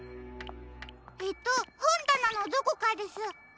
えっとほんだなのどこかです。